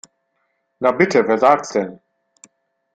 Na bitte, wer sagt's denn?